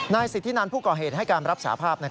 สิทธินันผู้ก่อเหตุให้การรับสาภาพ